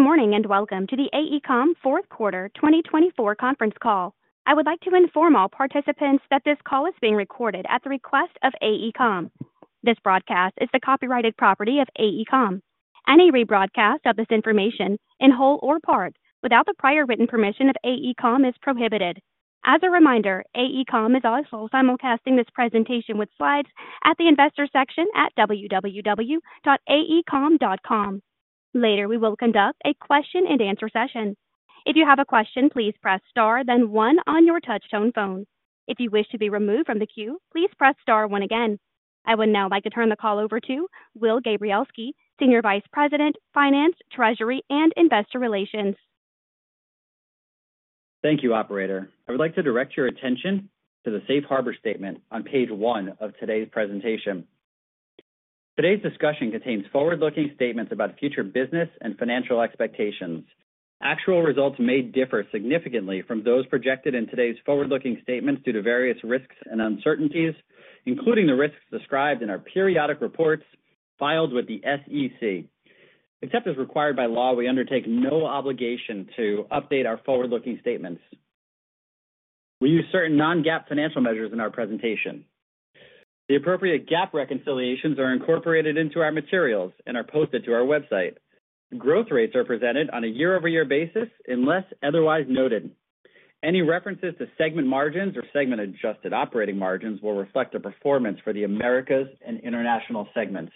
Good morning and welcome to the AECOM Fourth Quarter 2024 conference call. I would like to inform all participants that this call is being recorded at the request of AECOM. This broadcast is the copyrighted property of AECOM. Any rebroadcast of this information, in whole or part, without the prior written permission of AECOM is prohibited. As a reminder, AECOM is also simulcasting this presentation with slides at the investor section at www.aecom.com. Later, we will conduct a question-and-answer session. If you have a question, please press star, then one on your touch-tone phone. If you wish to be removed from the queue, please press star one again. I would now like to turn the call over to Will Gabrielski, Senior Vice President, Finance, Treasury, and Investor Relations. Thank you, Operator. I would like to direct your attention to the Safe Harbor Statement on page one of today's presentation. Today's discussion contains forward-looking statements about future business and financial expectations. Actual results may differ significantly from those projected in today's forward-looking statements due to various risks and uncertainties, including the risks described in our periodic reports filed with the SEC. Except as required by law, we undertake no obligation to update our forward-looking statements. We use certain non-GAAP financial measures in our presentation. The appropriate GAAP reconciliations are incorporated into our materials and are posted to our website. Growth rates are presented on a year-over-year basis unless otherwise noted. Any references to segment margins or segment-adjusted operating margins will reflect the performance for the Americas and International segments.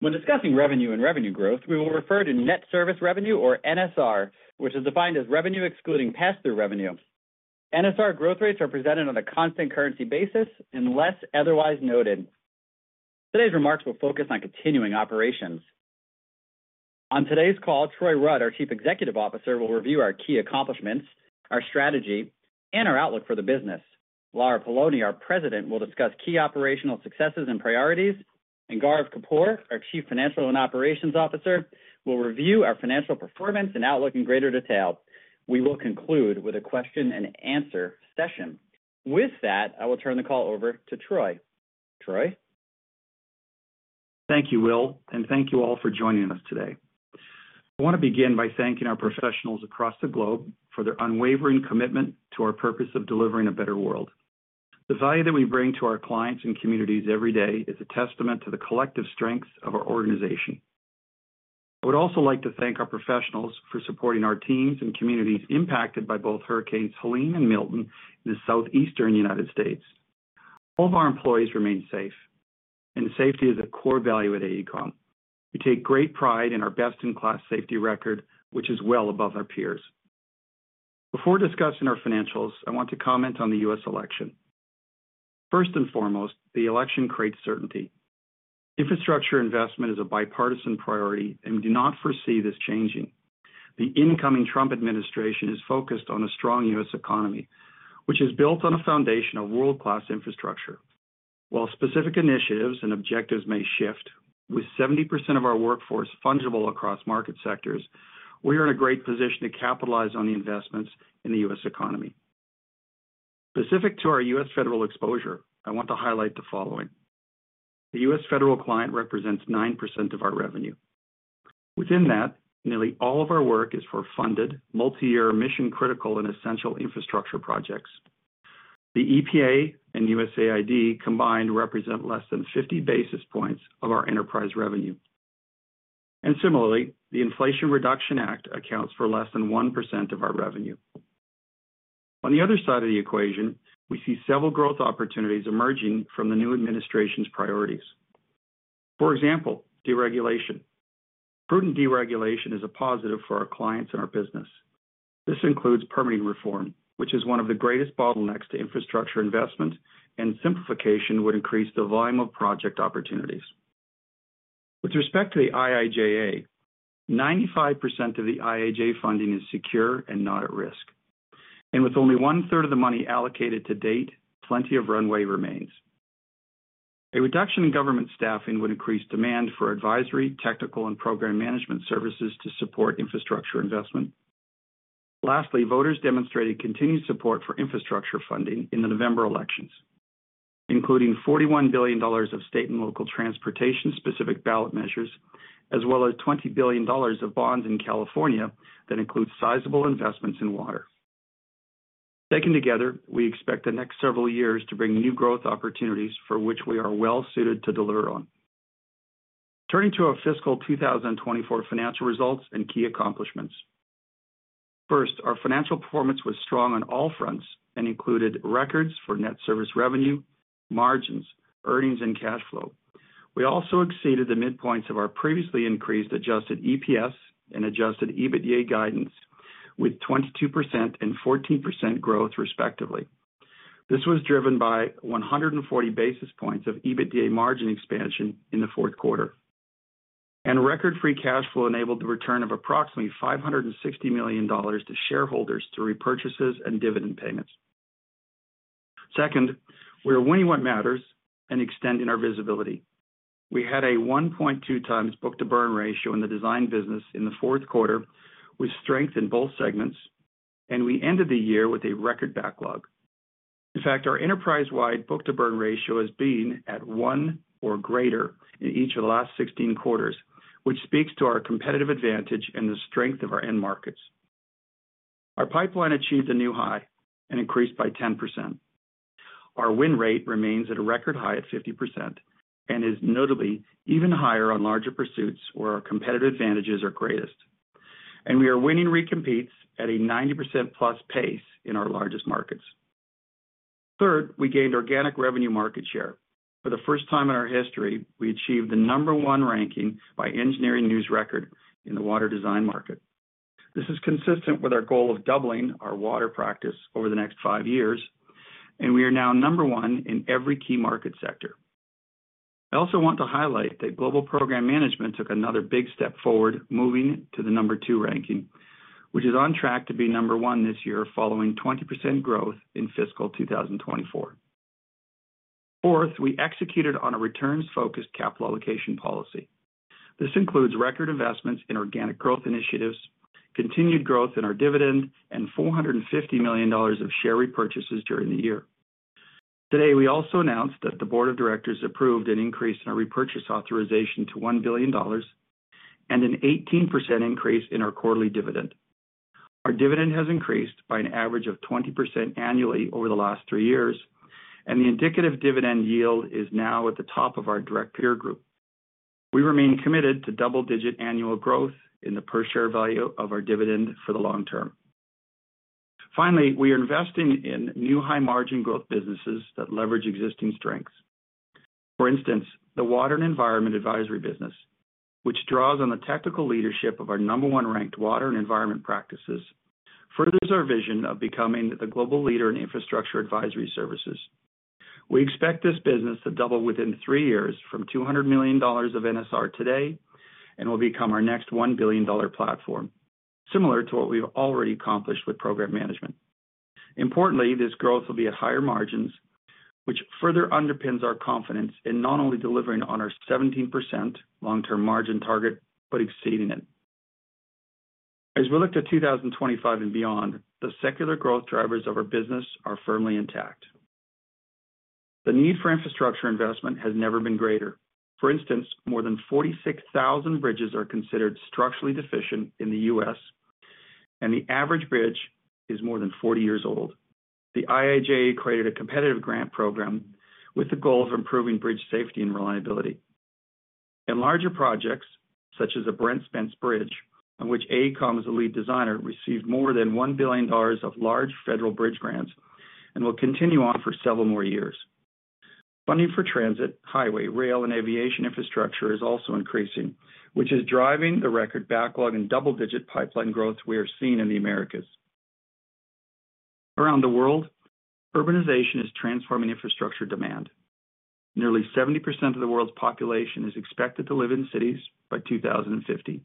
When discussing revenue and revenue growth, we will refer to net service revenue, or NSR, which is defined as revenue excluding pass-through revenue. NSR growth rates are presented on a constant currency basis unless otherwise noted. Today's remarks will focus on continuing operations. On today's call, Troy Rudd, our Chief Executive Officer, will review our key accomplishments, our strategy, and our outlook for the business. Lara Poloni, our President, will discuss key operational successes and priorities, and Gaurav Kapoor, our Chief Financial and Operations Officer, will review our financial performance and outlook in greater detail. We will conclude with a question-and-answer session. With that, I will turn the call over to Troy. Troy? Thank you, Will, and thank you all for joining us today. I want to begin by thanking our professionals across the globe for their unwavering commitment to our purpose of delivering a better world. The value that we bring to our clients and communities every day is a testament to the collective strengths of our organization. I would also like to thank our professionals for supporting our teams and communities impacted by both Hurricanes Helene and Milton in the Southeastern United States. All of our employees remain safe, and safety is a core value at AECOM. We take great pride in our best-in-class safety record, which is well above our peers. Before discussing our financials, I want to comment on the U.S. election. First and foremost, the election creates certainty. Infrastructure investment is a bipartisan priority, and we do not foresee this changing. The incoming Trump administration is focused on a strong U.S. economy, which is built on a foundation of world-class infrastructure. While specific initiatives and objectives may shift, with 70% of our workforce fungible across market sectors, we are in a great position to capitalize on the investments in the U.S. economy. Specific to our U.S. federal exposure, I want to highlight the following: the U.S. federal client represents 9% of our revenue. Within that, nearly all of our work is for funded, multi-year, mission-critical, and essential infrastructure projects. The EPA and USAID combined represent less than 50 basis points of our enterprise revenue. And similarly, the Inflation Reduction Act accounts for less than 1% of our revenue. On the other side of the equation, we see several growth opportunities emerging from the new administration's priorities. For example, deregulation. Prudent deregulation is a positive for our clients and our business. This includes permitting reform, which is one of the greatest bottlenecks to infrastructure investment, and simplification would increase the volume of project opportunities. With respect to the IIJA, 95% of the IIJA funding is secure and not at risk, and with only one-third of the money allocated to date, plenty of runway remains. A reduction in government staffing would increase demand for advisory, technical, Program Management services to support infrastructure investment. Lastly, voters demonstrated continued support for infrastructure funding in the November elections, including $41 billion of state and local transportation-specific ballot measures, as well as $20 billion of bonds in California that include sizable investments in water. Taken together, we expect the next several years to bring new growth opportunities for which we are well-suited to deliver on. Turning to our fiscal 2024 financial results and key accomplishments. First, our financial performance was strong on all fronts and included records for net service revenue, margins, earnings, and cash flow. We also exceeded the midpoints of our previously increased adjusted EPS and adjusted EBITDA guidance, with 22% and 14% growth, respectively. This was driven by 140 basis points of EBITDA margin expansion in the fourth quarter, and record free cash flow enabled the return of approximately $560 million to shareholders through repurchases and dividend payments. Second, we are winning what matters and extending our visibility. We had a 1.2 times book-to-burn ratio in the design business in the fourth quarter, with strength in both segments, and we ended the year with a record backlog. In fact, our enterprise-wide book-to-burn ratio has been at one or greater in each of the last 16 quarters, which speaks to our competitive advantage and the strength of our end markets. Our pipeline achieved a new high and increased by 10%. Our win rate remains at a record high at 50% and is notably even higher on larger pursuits where our competitive advantages are greatest. And we are winning recompetes at a 90%-plus pace in our largest markets. Third, we gained organic revenue market share. For the first time in our history, we achieved the number one ranking by Engineering News-Record in the water design market. This is consistent with our goal of doubling our water practice over the next five years, and we are now number one in every key market sector. I also want to highlight that Program Management took another big step forward, moving to the number two ranking, which is on track to be number one this year, following 20% growth in fiscal 2024. Fourth, we executed on a returns-focused capital allocation policy. This includes record investments in organic growth initiatives, continued growth in our dividend, and $450 million of share repurchases during the year. Today, we also announced that the board of directors approved an increase in our repurchase authorization to $1 billion and an 18% increase in our quarterly dividend. Our dividend has increased by an average of 20% annually over the last three years, and the indicative dividend yield is now at the top of our direct peer group. We remain committed to double-digit annual growth in the per-share value of our dividend for the long term. Finally, we are investing in new high-margin growth businesses that leverage existing strengths. For instance, the Water and Environment Advisory business, which draws on the technical leadership of our number one-ranked water and environment practices, furthers our vision of becoming the global leader in infrastructure advisory services. We expect this business to double within three years from $200 million of NSR today and will become our next $1 billion platform, similar to what we've already accomplished Program Management. importantly, this growth will be at higher margins, which further underpins our confidence in not only delivering on our 17% long-term margin target but exceeding it. As we look to 2025 and beyond, the secular growth drivers of our business are firmly intact. The need for infrastructure investment has never been greater. For instance, more than 46,000 bridges are considered structurally deficient in the U.S., and the average bridge is more than 40 years old. The IIJA created a competitive grant program with the goal of improving bridge safety and reliability. Larger projects, such as the Brent Spence Bridge, on which AECOM is the lead designer, received more than $1 billion of large federal bridge grants and will continue on for several more years. Funding for transit, highway, rail, and aviation infrastructure is also increasing, which is driving the record backlog and double-digit pipeline growth we are seeing in the Americas. Around the world, urbanization is transforming infrastructure demand. Nearly 70% of the world's population is expected to live in cities by 2050,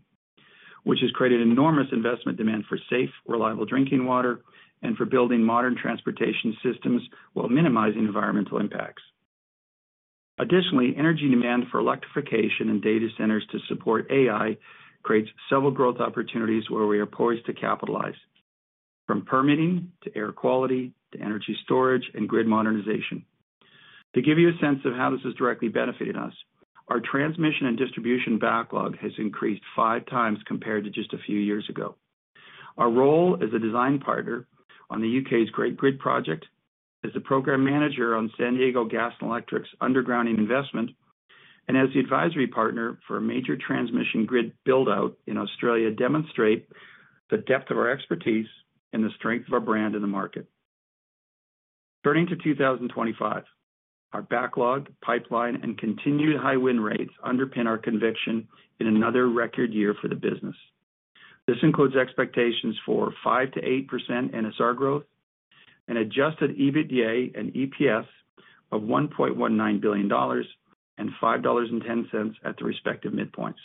which has created enormous investment demand for safe, reliable drinking water and for building modern transportation systems while minimizing environmental impacts. Additionally, energy demand for electrification and data centers to support AI creates several growth opportunities where we are poised to capitalize, from permitting to air quality to energy storage and grid modernization. To give you a sense of how this has directly benefited us, our transmission and distribution backlog has increased five times compared to just a few years ago. Our role as a design partner on the U.K.'s Great Grid project, as the program manager on San Diego Gas & Electric's underground investment, and as the advisory partner for a major transmission grid build-out in Australia demonstrate the depth of our expertise and the strength of our brand in the market. Turning to 2025, our backlog, pipeline, and continued high win rates underpin our conviction in another record year for the business. This includes expectations for 5%-8% NSR growth and adjusted EBITDA and EPS of $1.19 billion and $5.10 at the respective midpoints.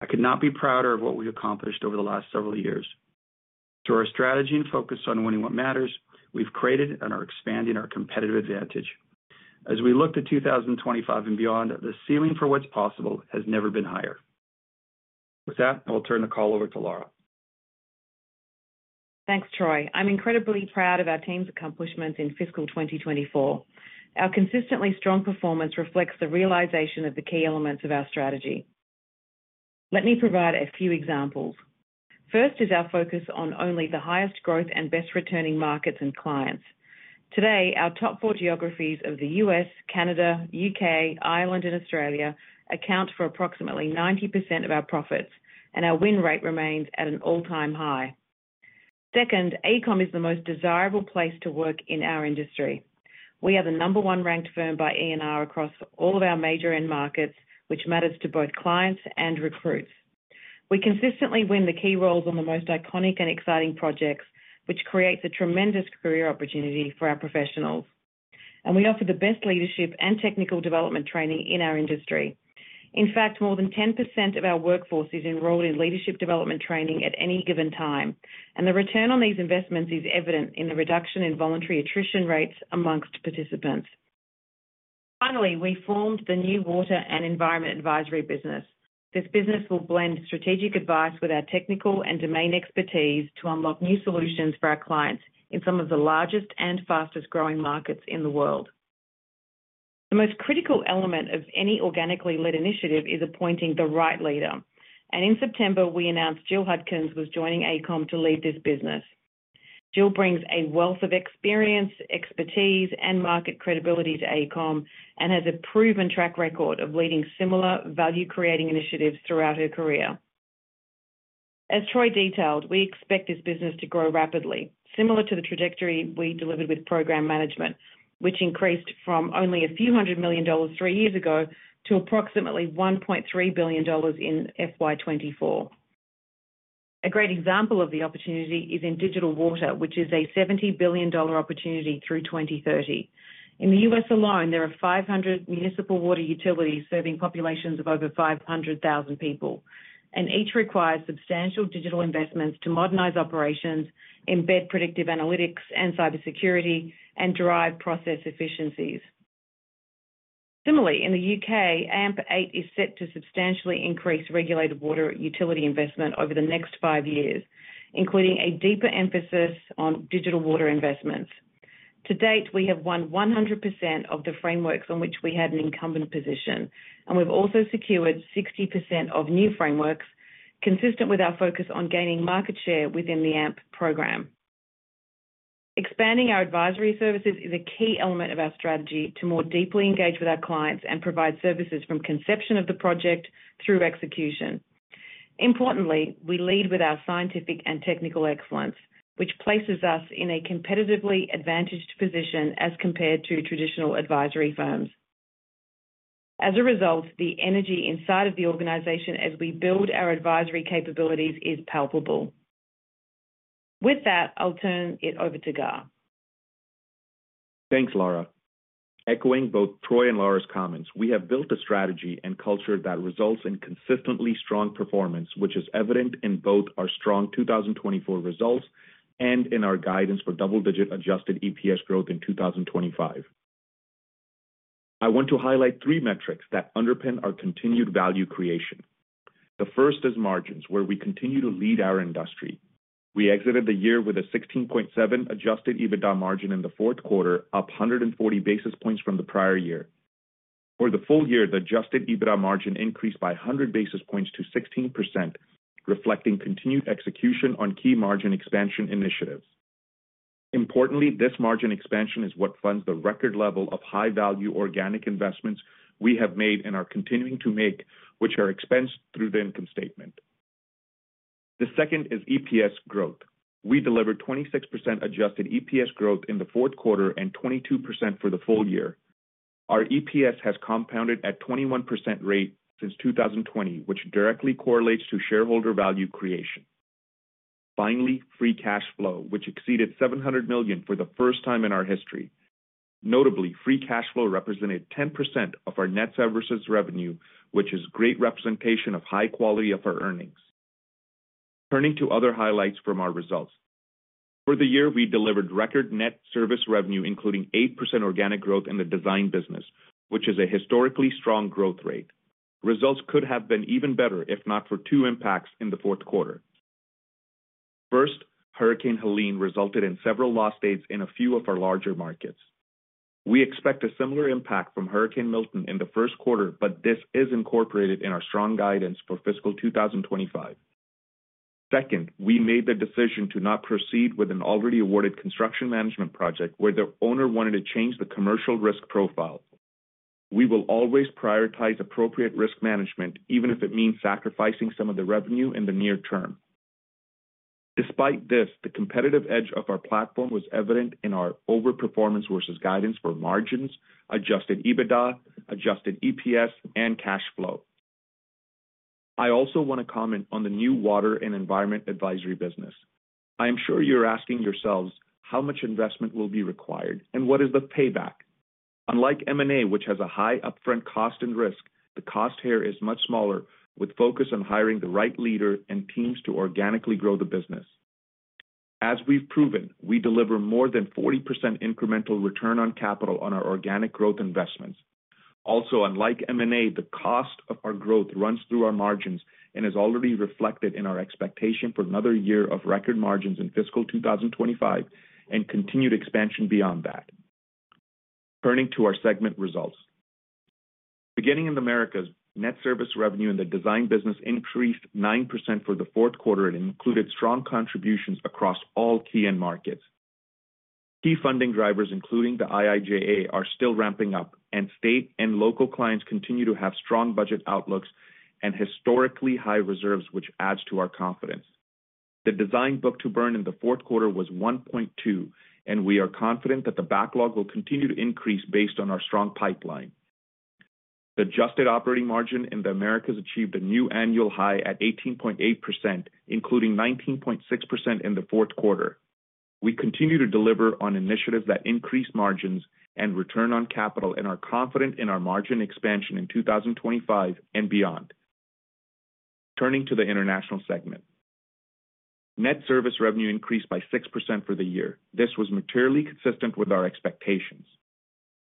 I could not be prouder of what we've accomplished over the last several years. Through our strategy and focus on winning what matters, we've created and are expanding our competitive advantage. As we look to 2025 and beyond, the ceiling for what's possible has never been higher. With that, I will turn the call over to Lara. Thanks, Troy. I'm incredibly proud of our team's accomplishments in fiscal 2024. Our consistently strong performance reflects the realization of the key elements of our strategy. Let me provide a few examples. First is our focus on only the highest growth and best-returning markets and clients. Today, our top four geographies of the U.S., Canada, U.K., Ireland, and Australia account for approximately 90% of our profits, and our win rate remains at an all-time high. Second, AECOM is the most desirable place to work in our industry. We are the number one-ranked firm by ENR across all of our major end markets, which matters to both clients and recruits. We consistently win the key roles on the most iconic and exciting projects, which creates a tremendous career opportunity for our professionals. And we offer the best leadership and technical development training in our industry. In fact, more than 10% of our workforce is enrolled in leadership development training at any given time, and the return on these investments is evident in the reduction in voluntary attrition rates among participants. Finally, we formed the new Water and Environment Advisory business. This business will blend strategic advice with our technical and domain expertise to unlock new solutions for our clients in some of the largest and fastest-growing markets in the world. The most critical element of any organically led initiative is appointing the right leader. In September, we announced Jill Hudkins was joining AECOM to lead this business. Jill brings a wealth of experience, expertise, and market credibility to AECOM and has a proven track record of leading similar value-creating initiatives throughout her career. As Troy detailed, we expect this business to grow rapidly, similar to the trajectory we delivered Program Management, which increased from only a few hundred million dollars three years ago to approximately $1.3 billion in FY24. A great example of the opportunity is in digital water, which is a $70 billion opportunity through 2030. In the U.S. alone, there are 500 municipal water utilities serving populations of over 500,000 people, and each requires substantial digital investments to modernize operations, embed predictive analytics and cybersecurity, and drive process efficiencies. Similarly, in the U.K., AMP 8 is set to substantially increase regulated water utility investment over the next five years, including a deeper emphasis on digital water investments. To date, we have won 100% of the frameworks on which we had an incumbent position, and we've also secured 60% of new frameworks, consistent with our focus on gaining market share within the AMP program. Expanding our advisory services is a key element of our strategy to more deeply engage with our clients and provide services from conception of the project through execution. Importantly, we lead with our scientific and technical excellence, which places us in a competitively advantaged position as compared to traditional advisory firms. As a result, the energy inside of the organization as we build our advisory capabilities is palpable. With that, I'll turn it over to Gaurav. Thanks, Lara. Echoing both Troy and Lara's comments, we have built a strategy and culture that results in consistently strong performance, which is evident in both our strong 2024 results and in our guidance for double-digit Adjusted EPS growth in 2025. I want to highlight three metrics that underpin our continued value creation. The first is margins, where we continue to lead our industry. We exited the year with a 16.7% Adjusted EBITDA margin in the fourth quarter, up 140 basis points from the prior year. For the full year, the Adjusted EBITDA margin increased by 100 basis points to 16%, reflecting continued execution on key margin expansion initiatives. Importantly, this margin expansion is what funds the record level of high-value organic investments we have made and are continuing to make, which are expensed through the income statement. The second is EPS growth. We delivered 26% adjusted EPS growth in the fourth quarter and 22% for the full year. Our EPS has compounded at a 21% rate since 2020, which directly correlates to shareholder value creation. Finally, free cash flow, which exceeded $700 million for the first time in our history. Notably, free cash flow represented 10% of our net services revenue, which is a great representation of the high quality of our earnings. Turning to other highlights from our results. For the year, we delivered record net service revenue, including 8% organic growth in the design business, which is a historically strong growth rate. Results could have been even better if not for two impacts in the fourth quarter. First, Hurricane Helene resulted in several lost days in a few of our larger markets. We expect a similar impact from Hurricane Milton in the first quarter, but this is incorporated in our strong guidance for fiscal 2025. Second, we made the decision to not proceed with an at-risk Construction Management project where the owner wanted to change the commercial risk profile. We will always prioritize appropriate risk management, even if it means sacrificing some of the revenue in the near term. Despite this, the competitive edge of our platform was evident in our overperformance versus guidance for margins, Adjusted EBITDA, Adjusted EPS, and cash flow. I also want to comment on the new Water and Environment Advisory business. I am sure you're asking yourselves how much investment will be required and what is the payback. Unlike M&A, which has a high upfront cost and risk, the cost here is much smaller, with focus on hiring the right leader and teams to organically grow the business. As we've proven, we deliver more than 40% incremental return on capital on our organic growth investments. Also, unlike M&A, the cost of our growth runs through our margins and is already reflected in our expectation for another year of record margins in fiscal 2025 and continued expansion beyond that. Turning to our segment results. Beginning in the Americas, net service revenue in the design business increased 9% for the fourth quarter and included strong contributions across all key end markets. Key funding drivers, including the IIJA, are still ramping up, and state and local clients continue to have strong budget outlooks and historically high reserves, which adds to our confidence. The design book-to-burn in the fourth quarter was 1.2, and we are confident that the backlog will continue to increase based on our strong pipeline. The adjusted operating margin in the Americas achieved a new annual high at 18.8%, including 19.6% in the fourth quarter. We continue to deliver on initiatives that increase margins and return on capital and are confident in our margin expansion in 2025 and beyond. Turning to the International segment. Net service revenue increased by 6% for the year. This was materially consistent with our expectations.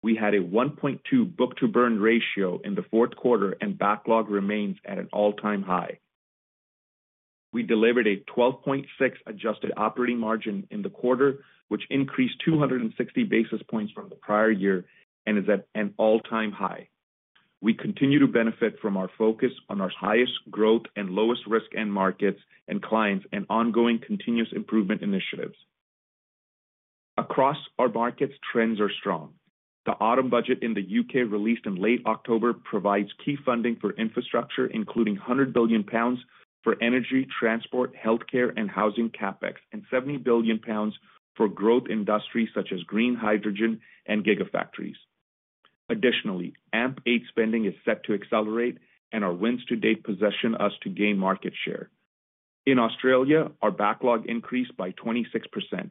We had a 1.2 book-to-burn ratio in the fourth quarter, and backlog remains at an all-time high. We delivered a 12.6% adjusted operating margin in the quarter, which increased 260 basis points from the prior year and is at an all-time high. We continue to benefit from our focus on our highest growth and lowest risk end markets and clients and ongoing continuous improvement initiatives. Across our markets, trends are strong. The Autumn Budget in the U.K. released in late October provides key funding for infrastructure, including 100 billion pounds for energy, transport, healthcare, and housing CapEx, and 70 billion pounds for growth industries such as green hydrogen and gigafactories. Additionally, AMP 8 spending is set to accelerate, and our wins to date position us to gain market share. In Australia, our backlog increased by 26%,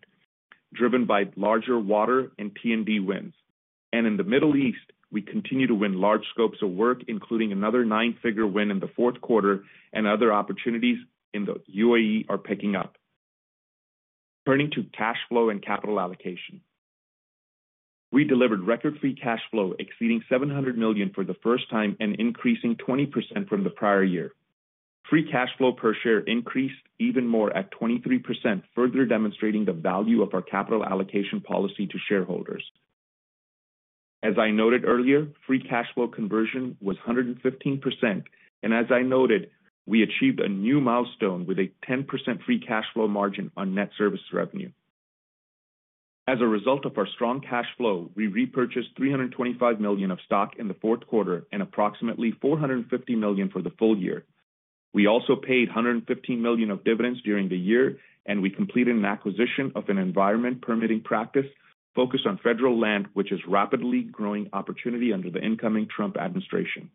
driven by larger water and T&D wins, and in the Middle East, we continue to win large scopes of work, including another nine-figure win in the fourth quarter, and other opportunities in the UAE are picking up. Turning to cash flow and capital allocation. We delivered record free cash flow exceeding $700 million for the first time and increasing 20% from the prior year. Free cash flow per share increased even more at 23%, further demonstrating the value of our capital allocation policy to shareholders. As I noted earlier, free cash flow conversion was 115%, and as I noted, we achieved a new milestone with a 10% free cash flow margin on net service revenue. As a result of our strong cash flow, we repurchased $325 million of stock in the fourth quarter and approximately $450 million for the full year. We also paid $115 million of dividends during the year, and we completed an acquisition of an environmental-permitting practice focused on federal land, which is rapidly growing opportunity under the incoming Trump administration.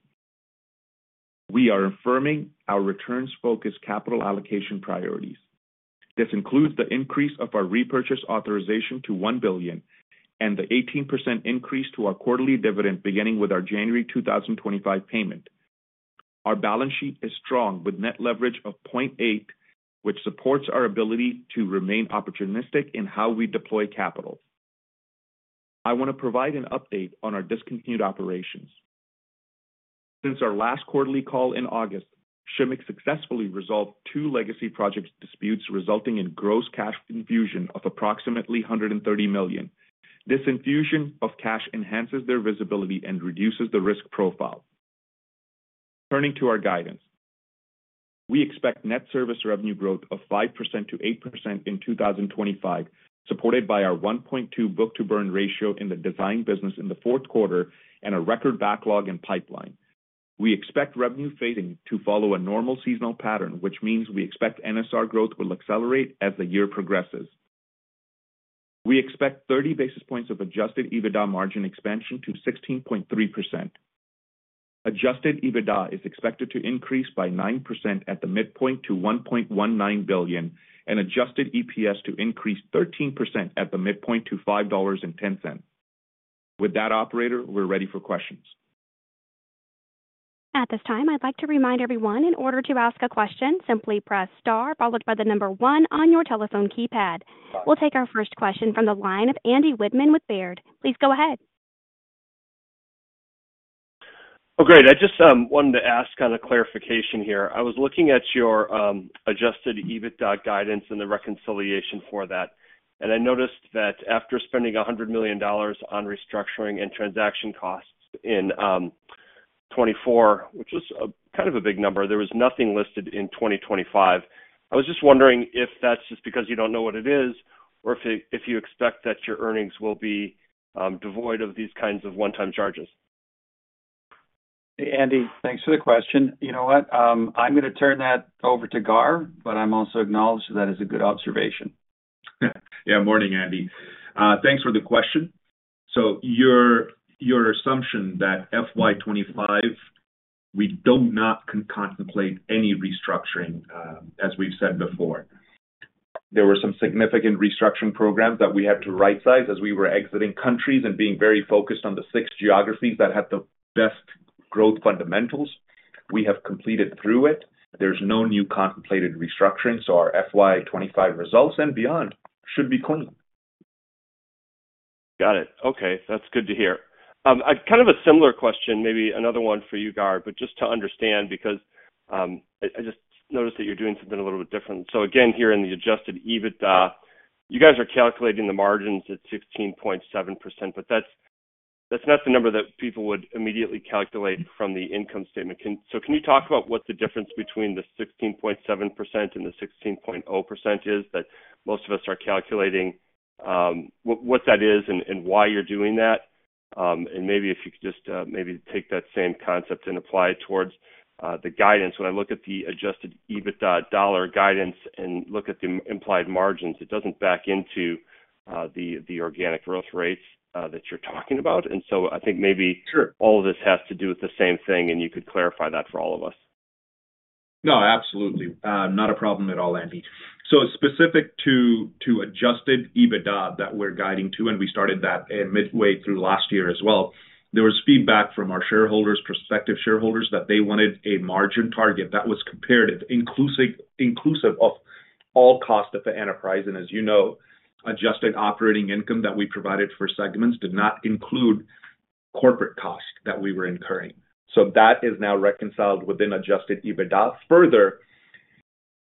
We are affirming our returns-focused capital allocation priorities. This includes the increase of our repurchase authorization to $1 billion and the 18% increase to our quarterly dividend beginning with our January 2025 payment. Our balance sheet is strong with net leverage of 0.8, which supports our ability to remain opportunistic in how we deploy capital. I want to provide an update on our discontinued operations. Since our last quarterly call in August, Shimmick successfully resolved two legacy project disputes resulting in gross cash infusion of approximately $130 million. This infusion of cash enhances their visibility and reduces the risk profile. Turning to our guidance. We expect net service revenue growth of 5%-8% in 2025, supported by our 1.2 book-to-burn ratio in the design business in the fourth quarter and a record backlog in pipeline. We expect revenue phasing to follow a normal seasonal pattern, which means we expect NSR growth will accelerate as the year progresses. We expect 30 basis points of Adjusted EBITDA margin expansion to 16.3%. Adjusted EBITDA is expected to increase by 9% at the midpoint to $1.19 billion, and Adjusted EPS to increase 13% at the midpoint to $5.10. With that, Operator, we're ready for questions. At this time, I'd like to remind everyone in order to ask a question, simply press star followed by the number one on your telephone keypad. We'll take our first question from the line of Andy Whitman with Baird. Please go ahead. Oh, great. I just wanted to ask kind of clarification here. I was looking at your Adjusted EBITDA guidance and the reconciliation for that, and I noticed that after spending $100 million on restructuring and transaction costs in 2024, which was kind of a big number, there was nothing listed in 2025. I was just wondering if that's just because you don't know what it is or if you expect that your earnings will be devoid of these kinds of one-time charges. Hey, Andy, thanks for the question. You know what? I'm going to turn that over to Gaurav, but I also acknowledge that that is a good observation. Yeah. Yeah. Morning, Andy. Thanks for the question. So your assumption that FY25, we don't not contemplate any restructuring, as we've said before. There were some significant restructuring programs that we had to right-size as we were exiting countries and being very focused on the six geographies that had the best growth fundamentals. We have completed through it. There's no new contemplated restructuring, so our FY25 results and beyond should be clean. Got it. Okay. That's good to hear. Kind of a similar question, maybe another one for you, Gaurav, but just to understand because I just noticed that you're doing something a little bit different. So again, here in the Adjusted EBITDA, you guys are calculating the margins at 16.7%, but that's not the number that people would immediately calculate from the income statement. So can you talk about what the difference between the 16.7% and the 16.0% is that most of us are calculating? What that is and why you're doing that? And maybe if you could just maybe take that same concept and apply it towards the guidance. When I look at the Adjusted EBITDA dollar guidance and look at the implied margins, it doesn't back into the organic growth rates that you're talking about. I think maybe all of this has to do with the same thing, and you could clarify that for all of us. No, absolutely. Not a problem at all, Andy. So specific to Adjusted EBITDA that we're guiding to, and we started that midway through last year as well, there was feedback from our shareholders, prospective shareholders, that they wanted a margin target that was comparative, inclusive of all costs of the enterprise. And as you know, adjusted operating income that we provided for segments did not include corporate costs that we were incurring. So that is now reconciled within Adjusted EBITDA. Further,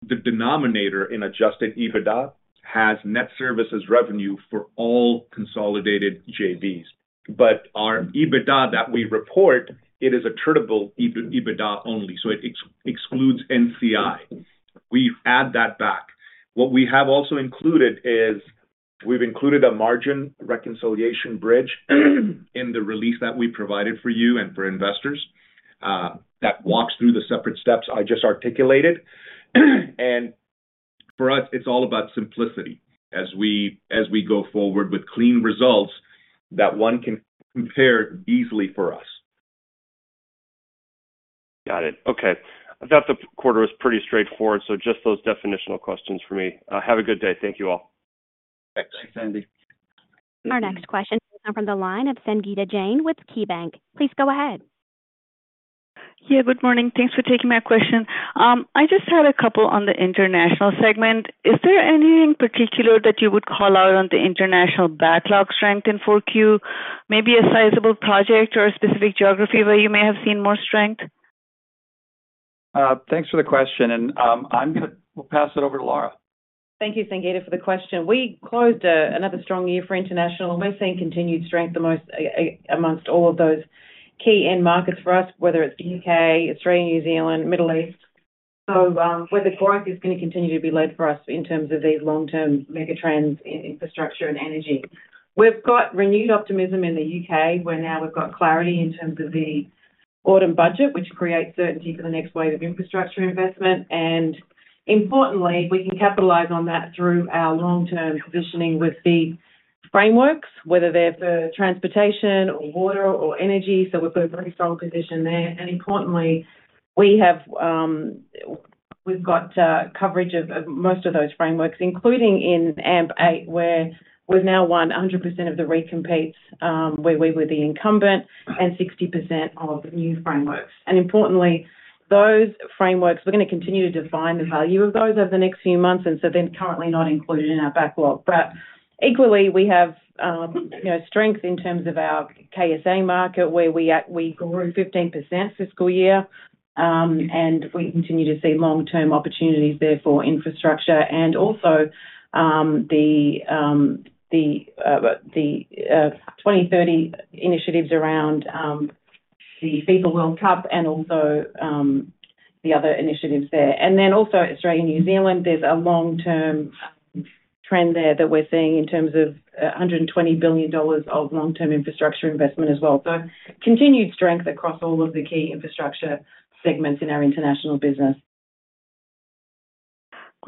the denominator in Adjusted EBITDA has net services revenue for all consolidated JVs. But our EBITDA that we report, it is attributable EBITDA only, so it excludes NCI. We add that back. What we have also included is we've included a margin reconciliation bridge in the release that we provided for you and for investors that walks through the separate steps I just articulated. For us, it's all about simplicity as we go forward with clean results that one can compare easily for us. Got it. Okay. I thought the quarter was pretty straightforward, so just those definitional questions for me. Have a good day. Thank you all. Thanks, Andy. Our next question comes in from the line of Sangita Jain with KeyBank. Please go ahead. Yeah. Good morning. Thanks for taking my question. I just had a couple on the International segment. Is there anything particular that you would call out on the International backlog strength in 4Q, maybe a sizable project or a specific geography where you may have seen more strength? Thanks for the question, and I'm going to pass it over to Lara. Thank you, Sangeeta, for the question. We closed another strong year for International. We're seeing continued strength among all of those key end markets for us, whether it's the U.K., Australia, New Zealand, Middle East, so where the growth is going to continue to be led for us in terms of these long-term megatrends in infrastructure and energy. We've got renewed optimism in the U.K. where now we've got clarity in terms of the Autumn Budget, which creates certainty for the next wave of infrastructure investment, and importantly, we can capitalize on that through our long-term positioning with the frameworks, whether they're for transportation or water or energy, so we've got a pretty strong position there, and importantly, we've got coverage of most of those frameworks, including in AMP 8, where we've now won 100% of the recompetes where we were the incumbent and 60% of new frameworks. Importantly, those frameworks, we're going to continue to define the value of those over the next few months, and so they're currently not included in our backlog. Equally, we have strength in terms of our KSA market where we grew 15% fiscal year, and we continue to see long-term opportunities there for infrastructure and also the 2030 initiatives around the FIFA World Cup and also the other initiatives there. Also, Australia and New Zealand, there's a long-term trend there that we're seeing in terms of $120 billion of long-term infrastructure investment as well. Continued strength across all of the key infrastructure segments in our International business.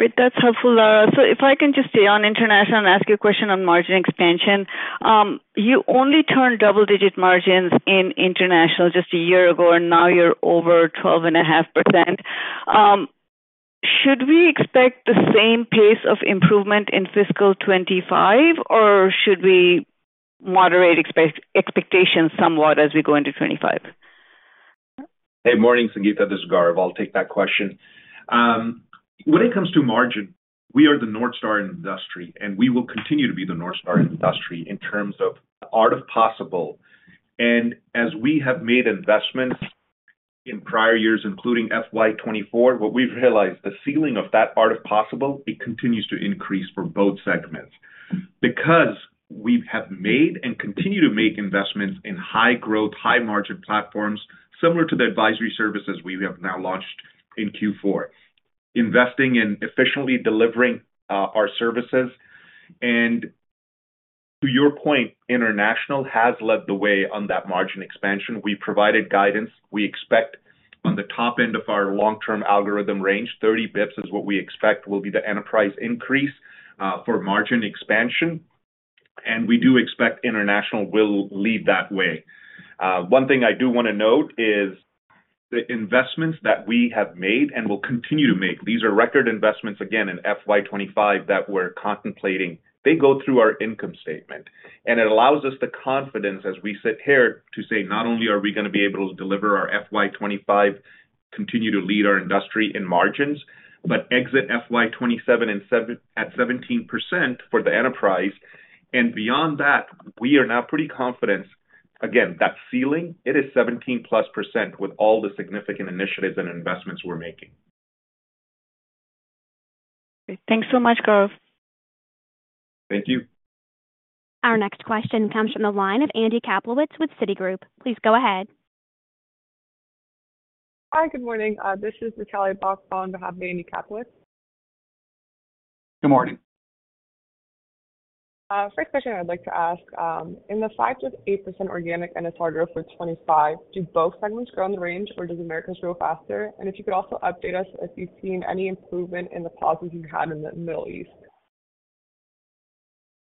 Great. That's helpful, Lara. So if I can just stay on International and ask you a question on margin expansion. You only turned double-digit margins in International just a year ago, and now you're over 12.5%. Should we expect the same pace of improvement in fiscal 2025, or should we moderate expectations somewhat as we go into 2025? Good morning, Sangeeta. This is Gaurav. I'll take that question. When it comes to margin, we are the North Star industry, and we will continue to be the North Star industry in terms of art of the possible. And as we have made investments in prior years, including FY24, what we've realized, the ceiling of that art of the possible, it continues to increase for both segments because we have made and continue to make investments in high-growth, high-margin platforms similar to the advisory services we have now launched in Q4, investing in efficiently delivering our services. And to your point, International has led the way on that margin expansion. We provided guidance. We expect on the top end of our long-term algorithm range, 30 basis points is what we expect will be the enterprise increase for margin expansion. And we do expect International will lead that way. One thing I do want to note is the investments that we have made and will continue to make. These are record investments, again, in FY25 that we're contemplating. They go through our income statement, and it allows us the confidence as we sit here to say, not only are we going to be able to deliver our FY25, continue to lead our industry in margins, but exit FY27 at 17% for the enterprise. And beyond that, we are now pretty confident. Again, that ceiling, it is 17-plus% with all the significant initiatives and investments we're making. Great. Thanks so much, Gaurav. Thank you. Our next question comes from the line of Andy Kaplowitz with Citigroup. Please go ahead. Hi, good morning. This is Natalia Balangero on behalf of Andy Kaplowitz. Good morning. First question I'd like to ask, in the 5%-8% organic NSR growth for 2025, do both segments grow in the range, or does Americas grow faster? And if you could also update us if you've seen any improvement in the pace you've had in the Middle East.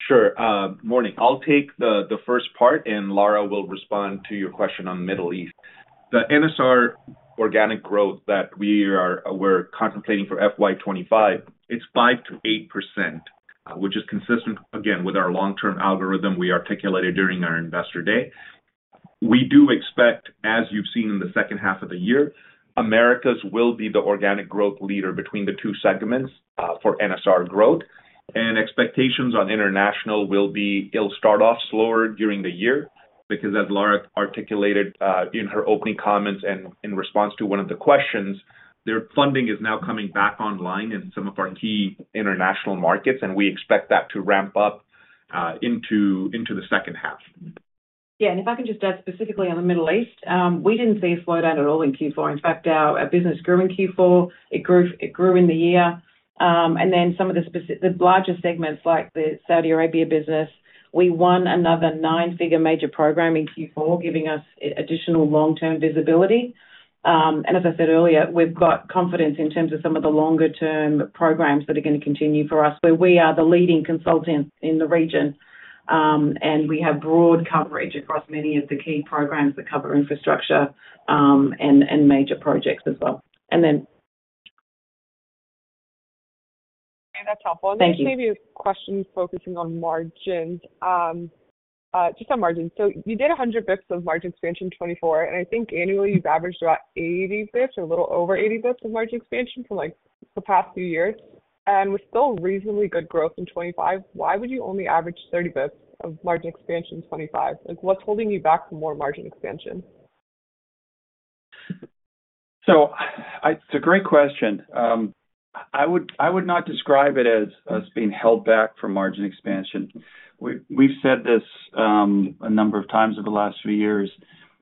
Sure. Morning. I'll take the first part, and Lara will respond to your question on Middle East. The NSR organic growth that we are contemplating for FY25, it's 5%-8%, which is consistent, again, with our long-term algorithm we articulated during our investor day. We do expect, as you've seen in the second half of the year, Americas will be the organic growth leader between the two segments for NSR growth, and expectations on International will be it'll start off slower during the year because, as Lara articulated in her opening comments and in response to one of the questions, their funding is now coming back online in some of our key International markets, and we expect that to ramp up into the second half. Yeah. And if I can just add specifically on the Middle East, we didn't see a slowdown at all in Q4. In fact, our business grew in Q4. It grew in the year. And then some of the larger segments like the Saudi Arabia business, we won another nine-figure major program in Q4, giving us additional long-term visibility. And as I said earlier, we've got confidence in terms of some of the longer-term programs that are going to continue for us where we are the leading consultant in the region, and we have broad coverage across many of the key programs that cover infrastructure and major projects as well. And then. Okay. That's helpful. I'm going to save you a question focusing on margins. Just on margins, so you did 100 basis points of margin expansion 2024, and I think annually you've averaged about 80 basis points, a little over 80 basis points of margin expansion for the past few years. And with still reasonably good growth in 2025, why would you only average 30 basis points of margin expansion 2025? What's holding you back from more margin expansion? It's a great question. I would not describe it as being held back from margin expansion. We've said this a number of times over the last few years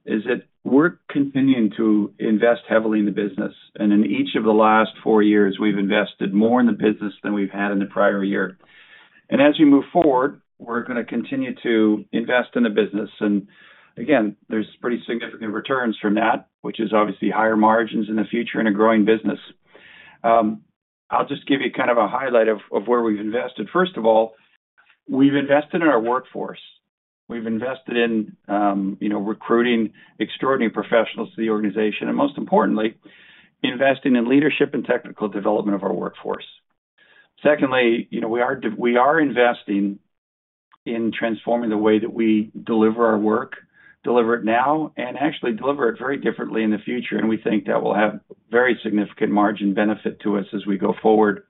is that we're continuing to invest heavily in the business. And in each of the last four years, we've invested more in the business than we've had in the prior year. And as we move forward, we're going to continue to invest in the business. And again, there's pretty significant returns from that, which is obviously higher margins in the future and a growing business. I'll just give you kind of a highlight of where we've invested. First of all, we've invested in our workforce. We've invested in recruiting extraordinary professionals to the organization. And most importantly, investing in leadership and technical development of our workforce. Secondly, we are investing in transforming the way that we deliver our work, deliver it now, and actually deliver it very differently in the future. And we think that will have very significant margin benefit to us as we go forward.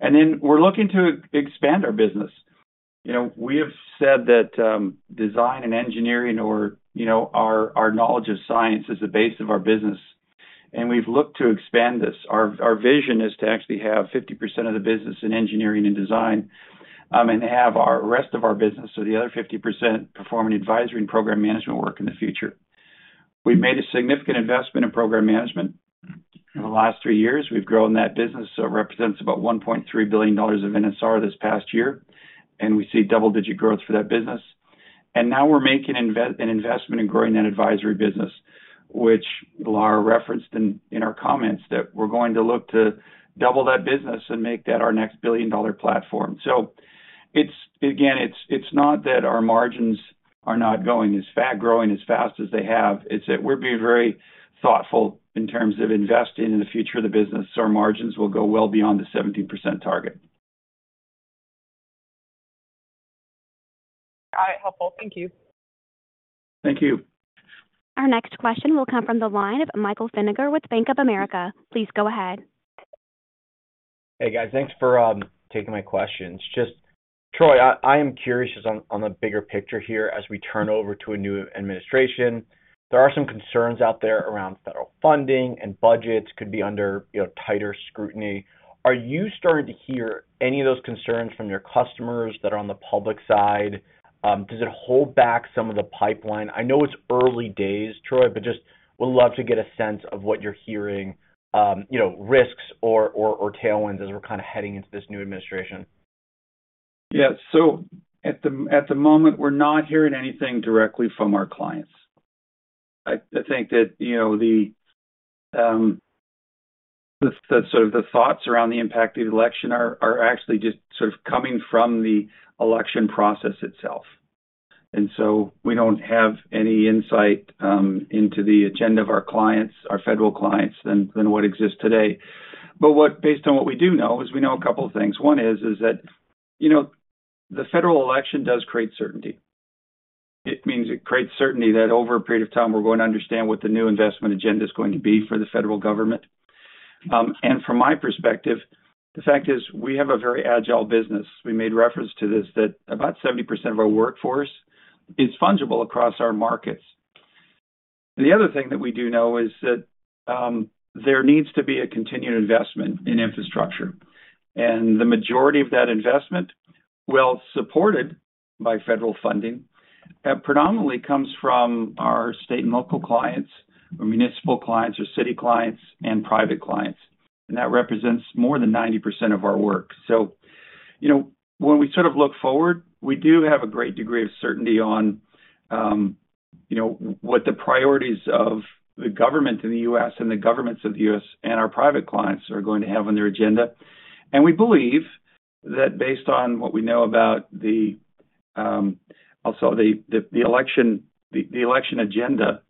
And then we're looking to expand our business. We have said that design and engineering or our knowledge of science is the base of our business, and we've looked to expand this. Our vision is to actually have 50% of the business in engineering and design and have the rest of our business, so the other 50% performing advisory Program Management work in the future. We've made a significant investment Program Management in the last three years. We've grown that business. So it represents about $1.3 billion of NSR this past year, and we see double-digit growth for that business. Now we're making an investment in growing that advisory business, which Lara referenced in our comments that we're going to look to double that business and make that our next billion-dollar platform. Again, it's not that our margins are not growing as fast as they have. It's that we're being very thoughtful in terms of investing in the future of the business so our margins will go well beyond the 17% target. Got it. Helpful. Thank you. Thank you. Our next question will come from the line of Michael Feniger with Bank of America. Please go ahead. Hey, guys. Thanks for taking my questions. Just Troy, I am curious on the bigger picture here as we turn over to a new administration. There are some concerns out there around federal funding, and budgets could be under tighter scrutiny. Are you starting to hear any of those concerns from your customers that are on the public side? Does it hold back some of the pipeline? I know it's early days, Troy, but just would love to get a sense of what you're hearing, risks or tailwinds as we're kind of heading into this new administration? Yeah. So at the moment, we're not hearing anything directly from our clients. I think that sort of the thoughts around the impact of the election are actually just sort of coming from the election process itself. And so we don't have any insight into the agenda of our clients, our federal clients, than what exists today. But based on what we do know is we know a couple of things. One is that the federal election does create certainty. It means it creates certainty that over a period of time, we're going to understand what the new investment agenda is going to be for the federal government. And from my perspective, the fact is we have a very agile business. We made reference to this that about 70% of our workforce is fungible across our markets. The other thing that we do know is that there needs to be a continued investment in infrastructure. The majority of that investment, while supported by federal funding, predominantly comes from our state and local clients or municipal clients or city clients and private clients. That represents more than 90% of our work. When we sort of look forward, we do have a great degree of certainty on what the priorities of the government in the U.S. and the governments of the U.S. and our private clients are going to have on their agenda. We believe that based on what we know about the election agenda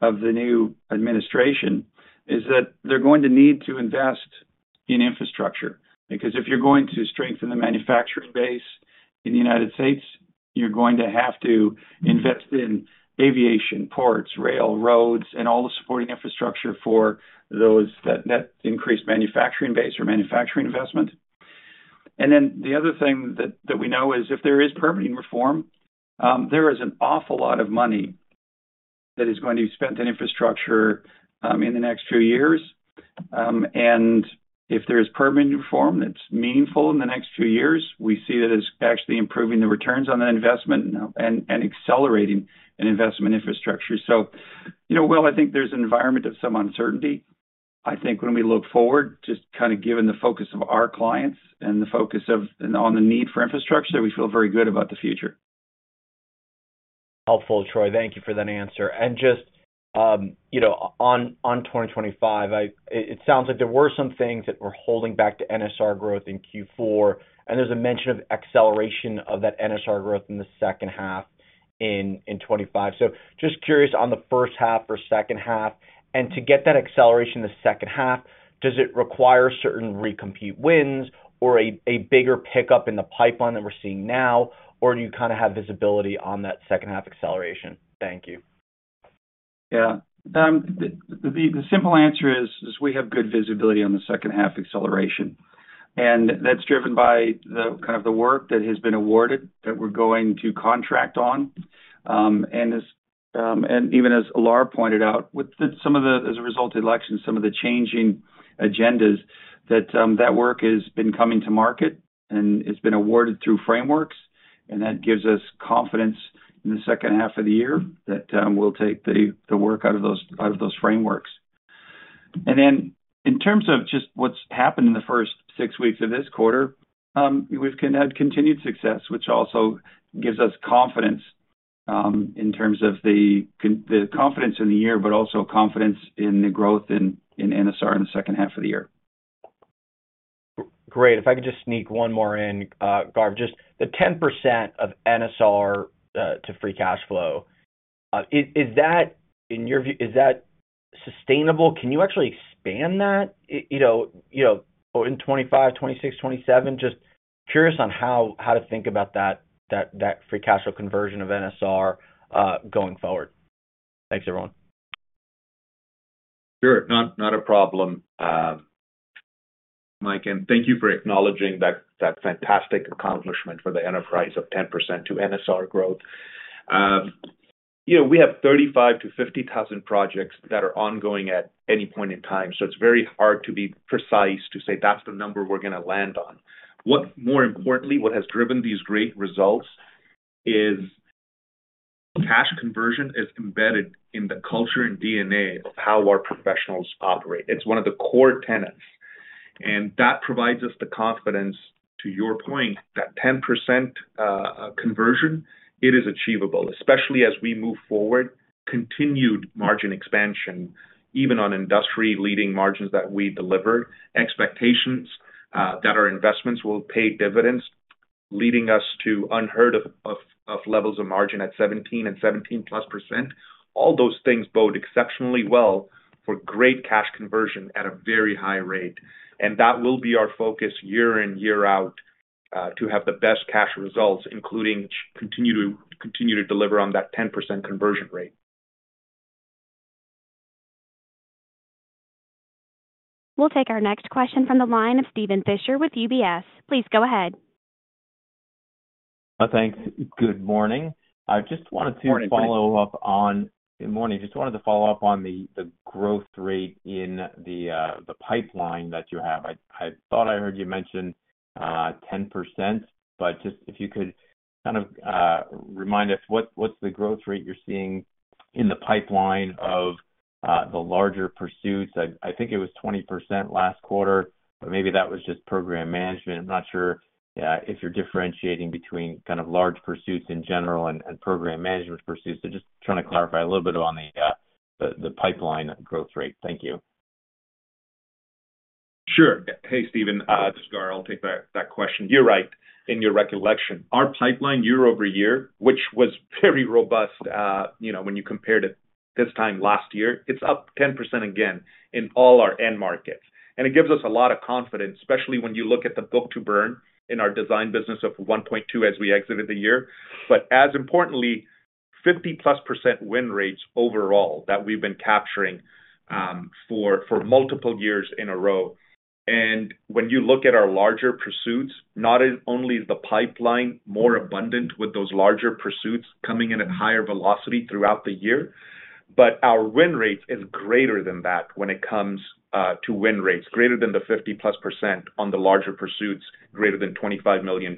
of the new administration is that they're going to need to invest in infrastructure. Because if you're going to strengthen the manufacturing base in the United States, you're going to have to invest in aviation, ports, rail, roads, and all the supporting infrastructure for that increased manufacturing base or manufacturing investment. And then the other thing that we know is if there is permitting reform, there is an awful lot of money that is going to be spent on infrastructure in the next few years. And if there is permitting reform that's meaningful in the next few years, we see that it's actually improving the returns on the investment and accelerating an investment in infrastructure. So while I think there's an environment of some uncertainty, I think when we look forward, just kind of given the focus of our clients and the focus on the need for infrastructure, we feel very good about the future. Helpful, Troy. Thank you for that answer. And just on 2025, it sounds like there were some things that were holding back to NSR growth in Q4. And there's a mention of acceleration of that NSR growth in the second half in 2025. So just curious on the first half or second half. And to get that acceleration in the second half, does it require certain recompete wins or a bigger pickup in the pipeline that we're seeing now, or do you kind of have visibility on that second-half acceleration? Thank you. Yeah. The simple answer is we have good visibility on the second-half acceleration, and that's driven by kind of the work that has been awarded that we're going to contract on, and even as Lara pointed out, as a result of the election, some of the changing agendas, that work has been coming to market and has been awarded through frameworks, and that gives us confidence in the second half of the year that we'll take the work out of those frameworks, and then in terms of just what's happened in the first six weeks of this quarter, we've had continued success, which also gives us confidence in terms of the confidence in the year, but also confidence in the growth in NSR in the second half of the year. Great. If I could just sneak one more in, Gaurav, just the 10% of NSR to free cash flow, is that, in your view, sustainable? Can you actually expand that in 2025, 2026, 2027? Just curious on how to think about that free cash flow conversion of NSR going forward. Thanks, everyone. Sure. Not a problem, Mike. And thank you for acknowledging that fantastic accomplishment for the enterprise of 10% to NSR growth. We have 35-50,000 projects that are ongoing at any point in time. So it's very hard to be precise to say that's the number we're going to land on. More importantly, what has driven these great results is cash conversion is embedded in the culture and DNA of how our professionals operate. It's one of the core tenets. And that provides us the confidence, to your point, that 10% conversion, it is achievable, especially as we move forward, continued margin expansion, even on industry-leading margins that we deliver, expectations that our investments will pay dividends, leading us to unheard-of levels of margin at 17% and 17-plus %. All those things bode exceptionally well for great cash conversion at a very high rate. That will be our focus year in, year out to have the best cash results, including continue to deliver on that 10% conversion rate. We'll take our next question from the line of Steven Fisher with UBS. Please go ahead. Thanks. Good morning. I just wanted to follow up on. Morning, Scott. Good morning. Just wanted to follow up on the growth rate in the pipeline that you have. I thought I heard you mention 10%, but just if you could kind of remind us, what's the growth rate you're seeing in the pipeline of the larger pursuits? I think it was 20% last quarter, but maybe that was Program Management. i'm not sure if you're differentiating between kind of large pursuits in general Program Management pursuits. So just trying to clarify a little bit on the pipeline growth rate. Thank you. Sure. Hey, Steven. This is Gaurav. I'll take that question. You're right. In your recollection, our pipeline year over year, which was very robust when you compared it this time last year, it's up 10% again in all our end markets. And it gives us a lot of confidence, especially when you look at the book-to-burn in our design business of 1.2 as we exited the year. But as importantly, 50-plus% win rates overall that we've been capturing for multiple years in a row. And when you look at our larger pursuits, not only is the pipeline more abundant with those larger pursuits coming in at higher velocity throughout the year, but our win rate is greater than that when it comes to win rates, greater than the 50-plus% on the larger pursuits, greater than $25 million.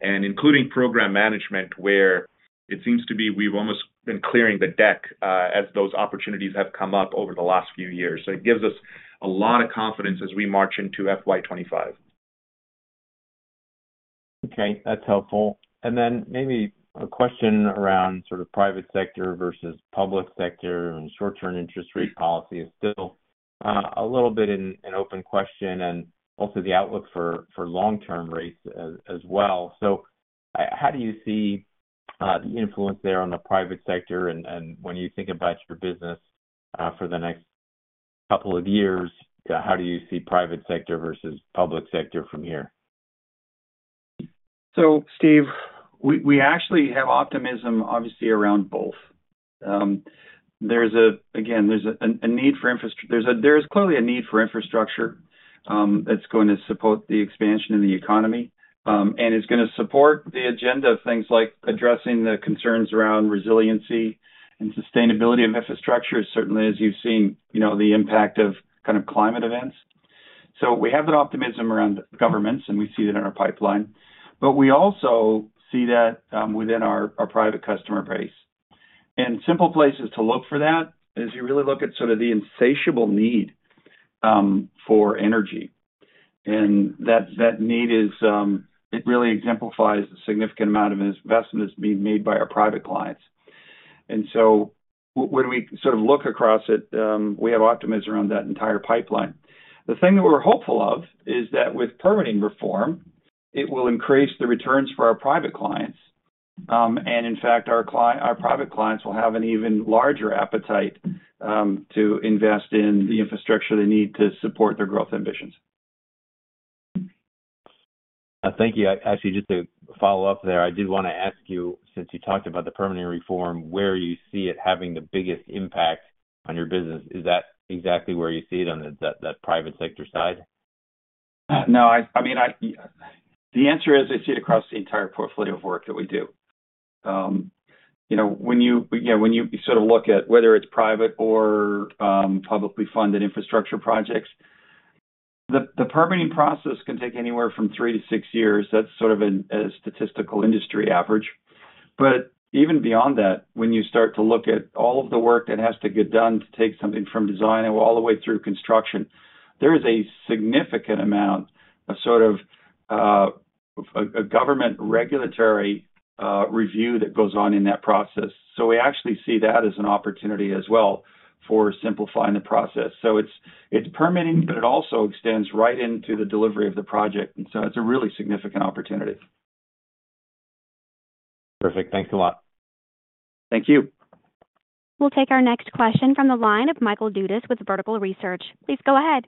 And Program Management, where it seems to be we've almost been clearing the deck as those opportunities have come up over the last few years. So it gives us a lot of confidence as we march into FY25. Okay. That's helpful. And then maybe a question around sort of private sector versus public sector, and short-term interest rate policy is still a little bit an open question, and also the outlook for long-term rates as well. So how do you see the influence there on the private sector? And when you think about your business for the next couple of years, how do you see private sector versus public sector from here? Steve, we actually have optimism, obviously, around both. Again, there's clearly a need for infrastructure that's going to support the expansion of the economy. And it's going to support the agenda of things like addressing the concerns around resiliency and sustainability of infrastructure, certainly as you've seen the impact of kind of climate events. We have that optimism around governments, and we see that in our pipeline. But we also see that within our private customer base. And simple places to look for that is you really look at sort of the insatiable need for energy. And that need, it really exemplifies the significant amount of investment that's being made by our private clients. And so when we sort of look across it, we have optimism around that entire pipeline. The thing that we're hopeful of is that with permitting reform, it will increase the returns for our private clients, and in fact, our private clients will have an even larger appetite to invest in the infrastructure they need to support their growth ambitions. Thank you. Actually, just to follow up there, I did want to ask you, since you talked about the permitting reform, where you see it having the biggest impact on your business? Is that exactly where you see it on that private sector side? No. I mean, the answer is I see it across the entire portfolio of work that we do. When you sort of look at whether it's private or publicly funded infrastructure projects, the permitting process can take anywhere from three to six years. That's sort of a statistical industry average. But even beyond that, when you start to look at all of the work that has to get done to take something from design all the way through construction, there is a significant amount of sort of government regulatory review that goes on in that process. So we actually see that as an opportunity as well for simplifying the process. So it's permitting, but it also extends right into the delivery of the project. And so it's a really significant opportunity. Perfect. Thanks a lot. Thank you. We'll take our next question from the line of Michael Dudas with Vertical Research. Please go ahead.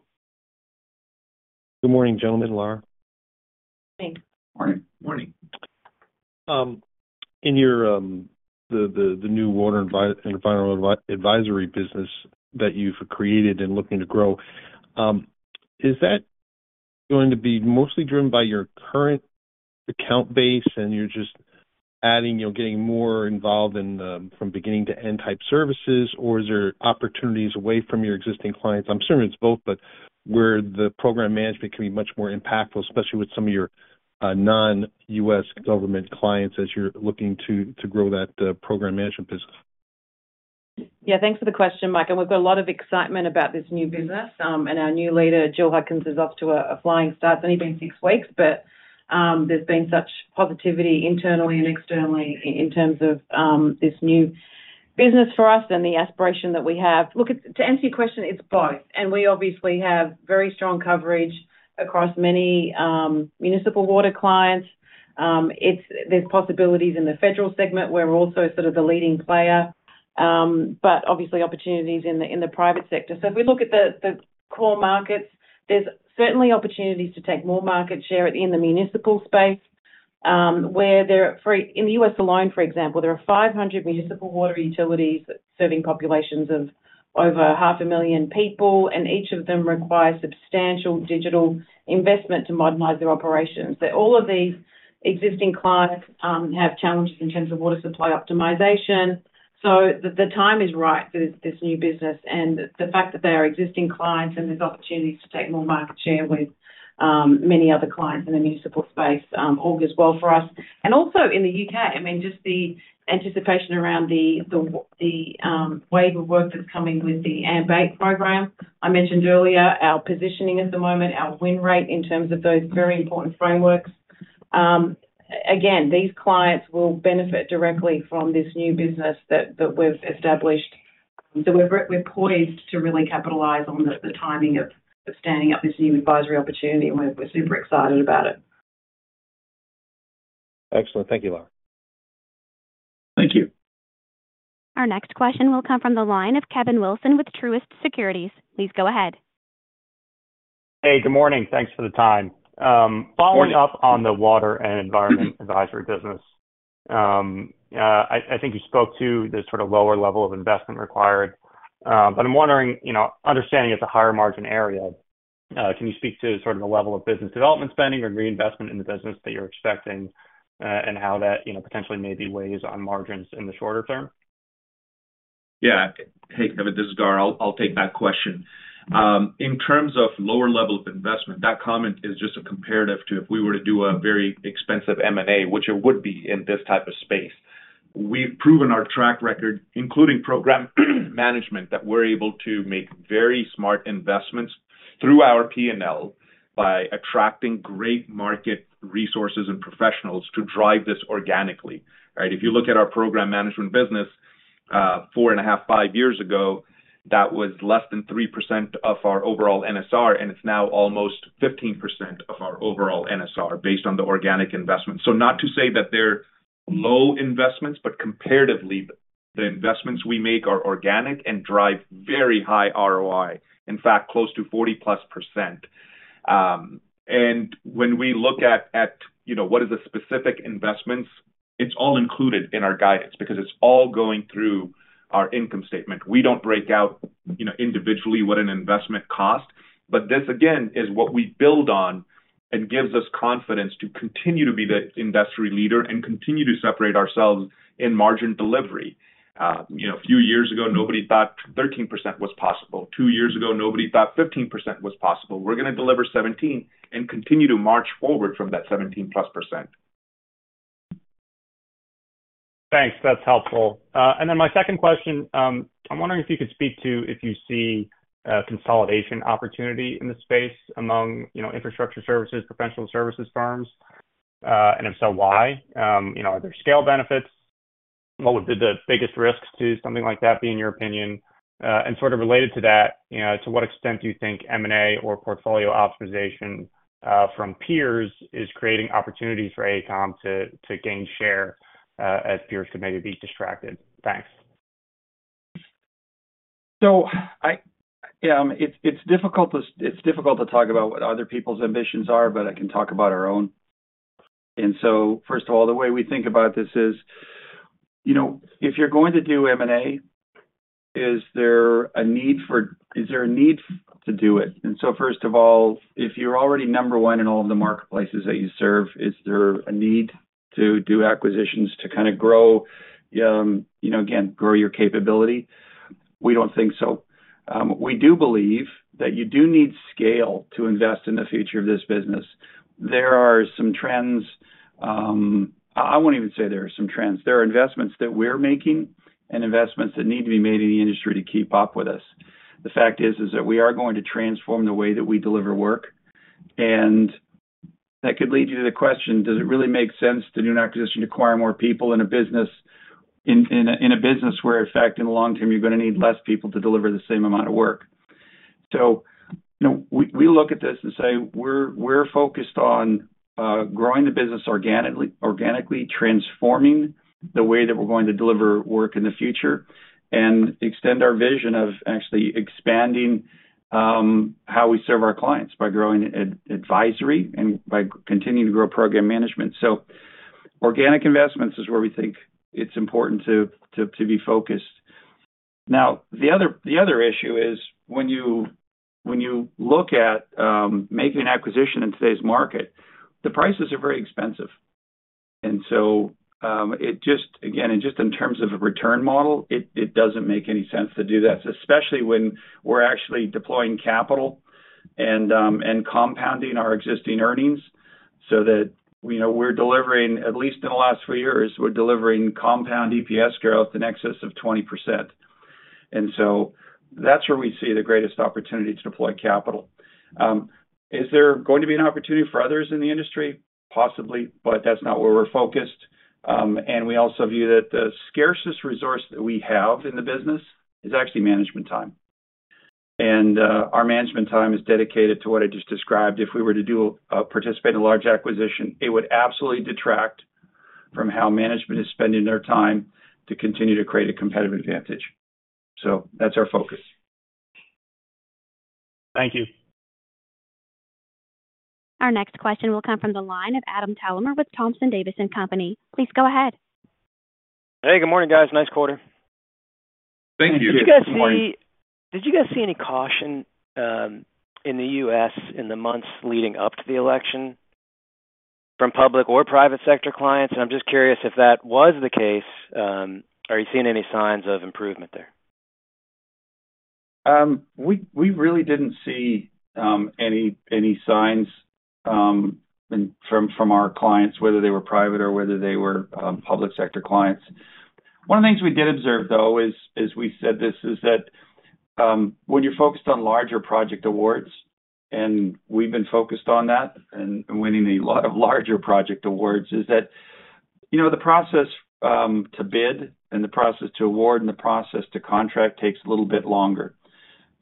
Good morning, gentlemen, Lara. Morning. Morning. In the new Water and Environment Advisory business that you've created and looking to grow, is that going to be mostly driven by your current account base and you're just adding, getting more involved in from beginning to end type services, or is there opportunities away from your existing clients? I'm assuming it's both, but where Program Management can be much more impactful, especially with some of your non-US government clients as you're looking to grow Program Management business? Yeah. Thanks for the question, Mike, and we've got a lot of excitement about this new business. And our new leader, Jill Hudkins, is off to a flying start. It's only been six weeks, but there's been such positivity internally and externally in terms of this new business for us and the aspiration that we have. To answer your question, it's both, and we obviously have very strong coverage across many municipal water clients. There's possibilities in the federal segment where we're also sort of the leading player, but obviously opportunities in the private sector, so if we look at the core markets, there's certainly opportunities to take more market share in the municipal space. In the U.S. alone, for example, there are 500 municipal water utilities serving populations of over half a million people, and each of them requires substantial digital investment to modernize their operations. All of these existing clients have challenges in terms of water supply optimization, so the time is right for this new business, and the fact that they are existing clients and there's opportunities to take more market share with many other clients in the municipal space all goes well for us, and also in the UK, I mean, just the anticipation around the wave of work that's coming with the AMP8 program. I mentioned earlier our positioning at the moment, our win rate in terms of those very important frameworks. Again, these clients will benefit directly from this new business that we've established, so we're poised to really capitalize on the timing of standing up this new advisory opportunity, and we're super excited about it. Excellent. Thank you, Lara. Thank you. Our next question will come from the line of Kevin Wilson with Truist Securities. Please go ahead. Hey, good morning. Thanks for the time. Following up on the Water and Environment Advisory business, I think you spoke to the sort of lower level of investment required. But I'm wondering, understanding it's a higher margin area, can you speak to sort of the level of business development spending or reinvestment in the business that you're expecting and how that potentially maybe weighs on margins in the shorter term? Yeah. Hey, Kevin, this is Gaurav. I'll take that question. In terms of lower level of investment, that comment is just a comparative to if we were to do a very expensive M&A, which it would be in this type of space. We've proven our track record, Program Management, that we're able to make very smart investments through our P&L by attracting great market resources and professionals to drive this organically. If you look at Program Management business four and a half, five years ago, that was less than 3% of our overall NSR, and it's now almost 15% of our overall NSR based on the organic investment. So not to say that they're low investments, but comparatively, the investments we make are organic and drive very high ROI, in fact, close to 40-plus%. And when we look at what is a specific investment, it's all included in our guidance because it's all going through our income statement. We don't break out individually what an investment costs. But this, again, is what we build on and gives us confidence to continue to be the industry leader and continue to separate ourselves in margin delivery. A few years ago, nobody thought 13% was possible. Two years ago, nobody thought 15% was possible. We're going to deliver 17 and continue to march forward from that 17-plus%. Thanks. That's helpful. And then my second question, I'm wondering if you could speak to if you see a consolidation opportunity in the space among infrastructure services, professional services firms, and if so, why? Are there scale benefits? What would be the biggest risks to something like that, be in your opinion? And sort of related to that, to what extent do you think M&A or portfolio optimization from peers is creating opportunities for AECOM to gain share as peers could maybe be distracted? Thanks. So it's difficult to talk about what other people's ambitions are, but I can talk about our own. And so first of all, the way we think about this is if you're going to do M&A, is there a need to do it? And so first of all, if you're already number one in all of the marketplaces that you serve, is there a need to do acquisitions to kind of, again, grow your capability? We don't think so. We do believe that you do need scale to invest in the future of this business. There are some trends. I won't even say there are some trends. There are investments that we're making and investments that need to be made in the industry to keep up with us. The fact is that we are going to transform the way that we deliver work. And that could lead you to the question, does it really make sense to do an acquisition to acquire more people in a business where in fact, in the long term, you're going to need less people to deliver the same amount of work? So we look at this and say we're focused on growing the business organically, transforming the way that we're going to deliver work in the future, and extend our vision of actually expanding how we serve our clients by growing advisory and by continuing to Program Management. so organic investments is where we think it's important to be focused. Now, the other issue is when you look at making an acquisition in today's market, the prices are very expensive. And so again, just in terms of a return model, it doesn't make any sense to do that, especially when we're actually deploying capital and compounding our existing earnings so that we're delivering, at least in the last few years, we're delivering compound EPS growth in excess of 20%. And so that's where we see the greatest opportunity to deploy capital. Is there going to be an opportunity for others in the industry? Possibly, but that's not where we're focused. And we also view that the scarcest resource that we have in the business is actually management time. And our management time is dedicated to what I just described. If we were to participate in a large acquisition, it would absolutely detract from how management is spending their time to continue to create a competitive advantage. So that's our focus. Thank you. Our next question will come from the line of Adam Thalhimer with Thompson Davis & Co. Please go ahead. Hey, good morning, guys. Nice quarter. Thank you. Did you guys see any caution in the U.S. in the months leading up to the election from public or private sector clients? And I'm just curious if that was the case. Are you seeing any signs of improvement there? We really didn't see any signs from our clients, whether they were private or whether they were public sector clients. One of the things we did observe, though, as we said this, is that when you're focused on larger project awards, and we've been focused on that and winning a lot of larger project awards, is that the process to bid and the process to award and the process to contract takes a little bit longer.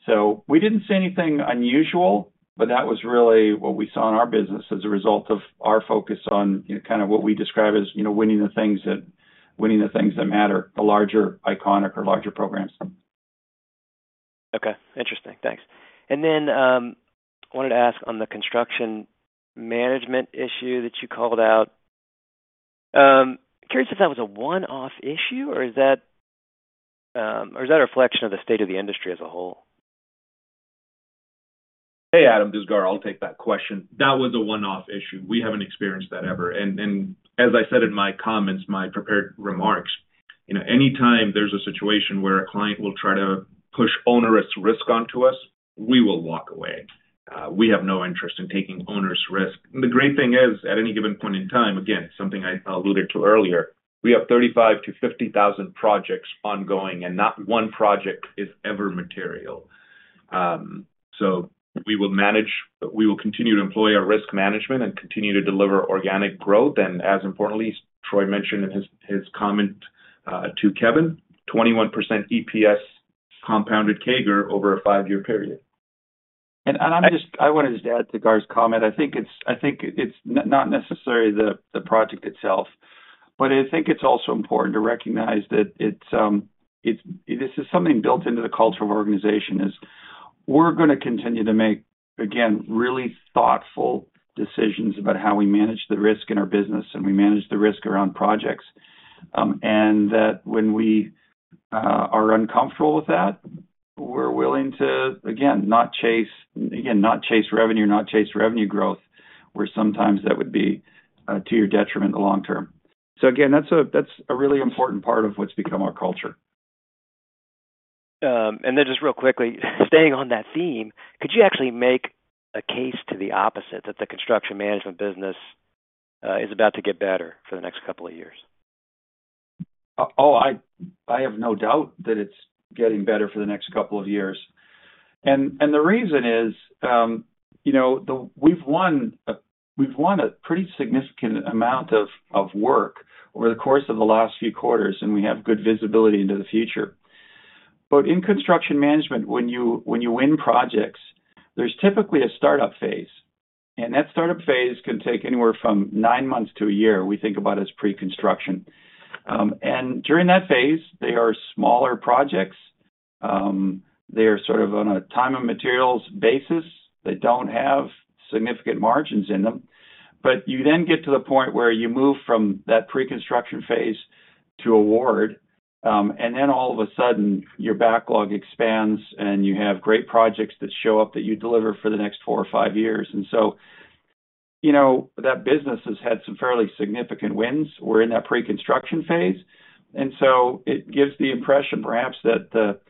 So we didn't see anything unusual, but that was really what we saw in our business as a result of our focus on kind of what we describe as winning the things that matter, the larger iconic or larger programs. Okay. Interesting. Thanks. And then I wanted to ask Construction Management issue that you called out. Curious if that was a one-off issue or is that a reflection of the state of the industry as a whole? Hey, Adam, this is Gaurav. I'll take that question. That was a one-off issue. We haven't experienced that ever. And as I said in my comments, my prepared remarks, anytime there's a situation where a client will try to push onerous risk onto us, we will walk away. We have no interest in taking onerous risk. And the great thing is, at any given point in time, again, something I alluded to earlier, we have 35,000 to 50,000 projects ongoing, and not one project is ever material. So we will manage. We will continue to employ our risk management and continue to deliver organic growth. And as importantly, Troy mentioned in his comment to Kevin, 21% EPS compounded CAGR over a five-year period. And I wanted to just add to Gaurav's comment. I think it's not necessarily the project itself, but I think it's also important to recognize that this is something built into the culture of organization. We're going to continue to make, again, really thoughtful decisions about how we manage the risk in our business and we manage the risk around projects. And that when we are uncomfortable with that, we're willing to, again, not chase revenue, not chase revenue growth, where sometimes that would be to your detriment long term. So again, that's a really important part of what's become our culture. And then just real quickly, staying on that theme, could you actually make a case to the opposite Construction Management business is about to get better for the next couple of years? Oh, I have no doubt that it's getting better for the next couple of years. And the reason is we've won a pretty significant amount of work over the course of the last few quarters, and we have good visibility into the future. Construction Management, when you win projects, there's typically a startup phase. And that startup phase can take anywhere from nine months to a year, we think about as pre-construction. And during that phase, they are smaller projects. They are sort of on a time and materials basis. They don't have significant margins in them. But you then get to the point where you move from that pre-construction phase to award, and then all of a sudden, your backlog expands and you have great projects that show up that you deliver for the next four or five years. That business has had some fairly significant wins. We're in that pre-construction phase. It gives the impression perhaps that the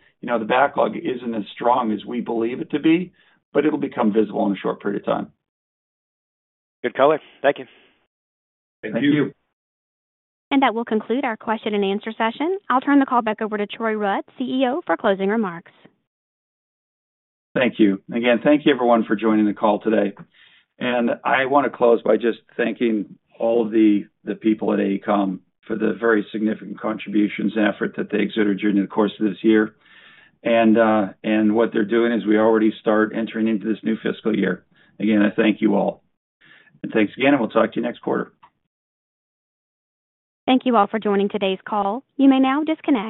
backlog isn't as strong as we believe it to be, but it'll become visible in a short period of time. Good color. Thank you. Thank you. Thank you. And that will conclude our question and answer session. I'll turn the call back over to Troy Rudd, CEO, for closing remarks. Thank you. Again, thank you everyone for joining the call today. And I want to close by just thanking all of the people at AECOM for the very significant contributions and effort that they exerted during the course of this year. And what they're doing is we already start entering into this new fiscal year. Again, I thank you all. And thanks again, and we'll talk to you next quarter. Thank you all for joining today's call. You may now disconnect.